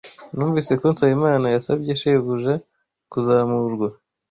Numvise ko Nsabimana yasabye shebuja kuzamurwa.